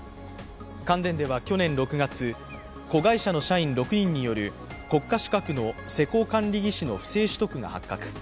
関電では去年６月、子会社の社員６人による国家資格の施工管理技士の不正取得が発覚。